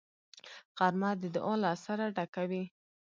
غرمه د دعا له اثره ډکه وي